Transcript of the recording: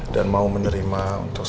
dan mau menerima untuk saya menjadi polisi